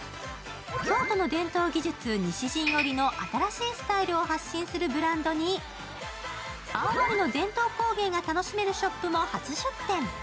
京都の伝統技術・西陣織の新しいスタイルを発信するブランドに、青森の伝統工芸が楽しめるショップも初出店。